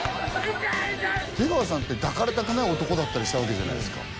出川さんって抱かれたくない男だったりしたわけじゃないですか